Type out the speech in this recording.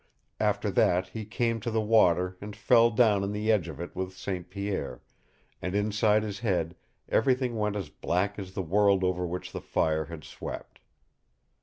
After that he came to the water and fell down in the edge of it with St. Pierre, and inside his head everything went as black as the world over which the fire had swept.